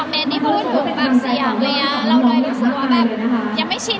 ไม่มีอะไร